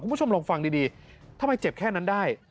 คุณผู้ชมลองฟังดีทำไมเจ็บแค่นั้นได้